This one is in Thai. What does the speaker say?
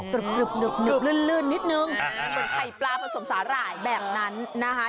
ลื่นนิดนึงเหมือนไข่ปลาผสมสาหร่ายแบบนั้นนะคะ